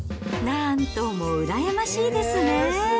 なんとも羨ましいですね。